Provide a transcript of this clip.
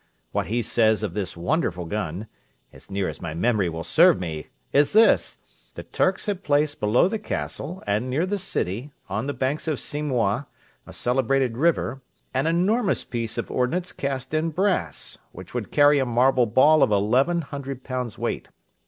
What he says of this wonderful gun, as near as my memory will serve me, is this: "The Turks had placed below the castle, and near the city, on the banks of Simois, a celebrated river, an enormous piece of ordnance cast in brass, which would carry a marble ball of eleven hundred pounds weight.